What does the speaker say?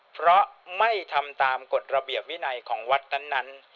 เพราะไม่ทำตามกฎระเบียบวินัยของวัดนั้น